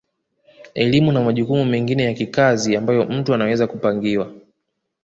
Elimu na majukumu mengine ya kikazi ambayo mtu anaweza kupangiwa